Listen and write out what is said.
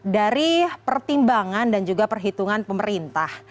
dari pertimbangan dan juga perhitungan pemerintah